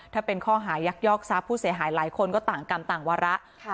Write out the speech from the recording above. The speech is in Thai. ถ้าเป็นข้อหายักยอกทรัพย์ผู้เสียหายหลายคนก็ต่างกรรมต่างวาระ